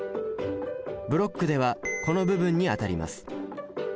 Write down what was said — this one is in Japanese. ブロックではこの部分にあたります。